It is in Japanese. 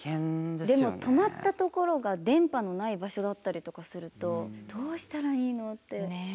でも止まったところが電波のない場所だったりとかするとどうしたらいいのって。